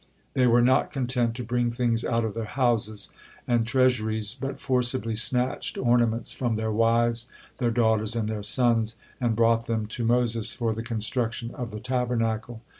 They were not content to bring things out of their houses and treasuries, but forcibly snatched ornaments from their wives, their daughters, and their sons, and brought them to Moses for the construction of the Tabernacle.